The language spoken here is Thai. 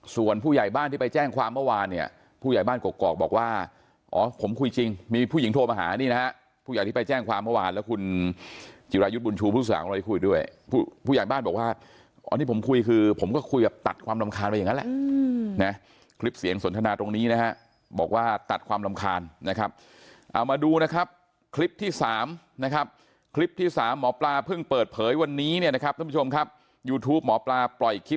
ส่วนผู้ใหญ่บ้านที่ไปแจ้งความเมื่อวานเนี่ยผู้ใหญ่บ้านกรอกบอกว่าอ๋อผมคุยจริงมีผู้หญิงโทรมาหานี่นะครับผู้ใหญ่ที่ไปแจ้งความเมื่อวานแล้วคุณจิรายุทธ์บุญชูพุทธศาสตร์ก็เลยคุยด้วยผู้ใหญ่บ้านบอกว่าอ๋อที่ผมคุยคือผมก็คุยแบบตัดความรำคาญไปอย่างนั้นแหละนะครับคลิปเสียงสนทนาตรงนี้